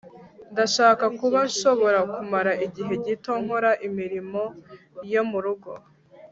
ndashaka kuba nshobora kumara igihe gito nkora imirimo yo murugo